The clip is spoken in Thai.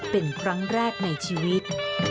เป็นครั้งแรกในชีวิต